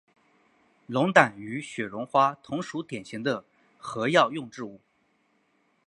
龙胆与雪绒花同属典型的和药用植物。